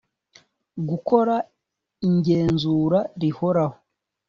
gukora ingenzura rihoraho